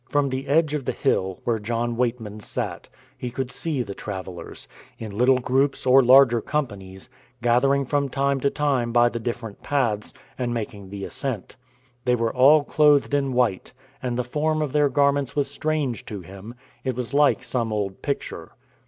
From the edge of the hill, where John Weightman sat, he could see the travelers, in little groups or larger companies, gathering from time to time by the different paths, and making the ascent. They were all clothed in white, and the form of their garments was strange to him; it was like some old picture.